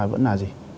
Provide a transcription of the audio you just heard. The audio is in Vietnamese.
vẫn là gì